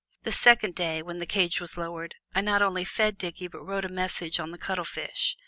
The second day, when the cage was lowered I not only fed Dickie but wrote a message on the cuttlefish.